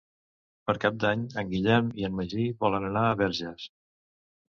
Per Cap d'Any en Guillem i en Magí volen anar a Verges.